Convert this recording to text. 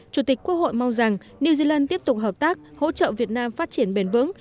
chủ tịch quốc hội mong rằng new zealand tiếp tục hợp tác hỗ trợ việt nam phát triển bền vững